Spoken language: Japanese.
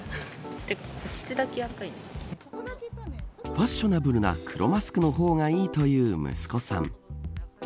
ファッショナブルな黒マスクの方がいいという息子さん。